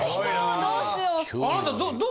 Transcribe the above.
どうしよう。